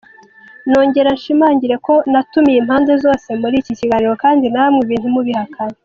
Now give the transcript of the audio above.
Nongere nshimangire ko natumiye impande zose muri iki kiganiro kandi namwe ibi ntimubihakana.